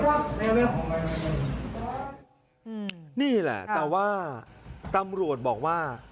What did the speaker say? นี่แหละแต่ว่าตำรวจบอกว่า